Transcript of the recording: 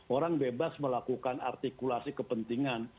orang bebas melakukan artikulasi kepentingan